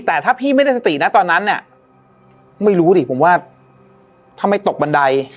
แต่ถ้าพี่ไม่ได้สตินะตอนนั้นเนี่ยไม่รู้ดิผมว่าทำไมตกบันได